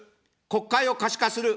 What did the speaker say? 国会を可視化する。